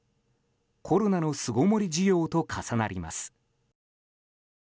コロナの巣ごもり需要と重なります。